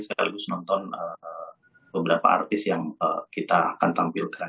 sekaligus nonton beberapa artis yang kita akan tampilkan